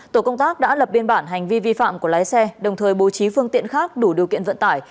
tổ công tác đã lập biên bản hành vi vi phạm của lái xe đồng thời bố trí phương tiện khác đủ điều kiện vận tải